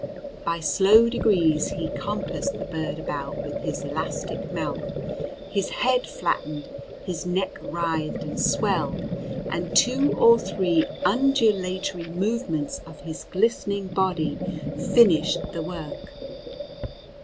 By slow degrees he compassed the bird about with his elastic mouth; his head flattened, his neck writhed and swelled, and two or three undulatory movements of his glistening body finished the work.